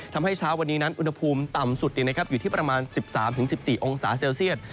เช้าวันนี้นั้นอุณหภูมิต่ำสุดอยู่ที่ประมาณ๑๓๑๔องศาเซลเซียต